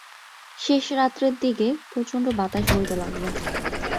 শেষ রাত্রের দিকে প্রচণ্ড বাতাস বইতে লাগল।